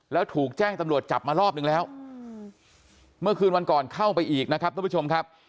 แล้วถูกแจ้งตำรวจจับมารอบนึงแล้วเมื่อคืนวันก่อนเข้าไปอีกนะครับทุกผู้ชมครับ